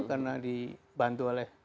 karena dibantu oleh